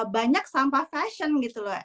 banyak sampah fashion gitu loh